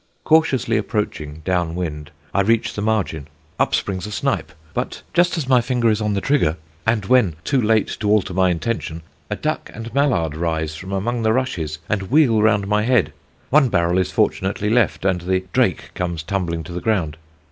Cautiously approaching, down wind, I reach the margin. Up springs a snipe; but just as my finger is on the trigger, and when too late to alter my intention, a duck and mallard rise from among the rushes and wheel round my head. One barrel is fortunately left, and the drake comes tumbling to the ground.